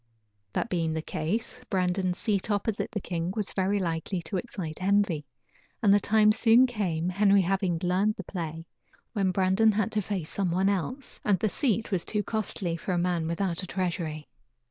That being the case, Brandon's seat opposite the king was very likely to excite envy, and the time soon came, Henry having learned the play, when Brandon had to face someone else, and the seat was too costly for a man without a treasury.